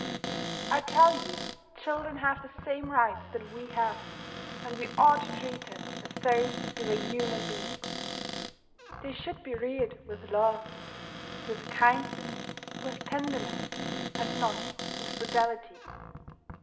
I tell you the children have the same rights that we have, and we ought to treat them as though they were human beings. They should be reared with love, with kindness, with tenderness, and not with brutality.